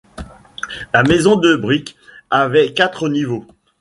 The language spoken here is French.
La maison de briques avait quatre niveaux.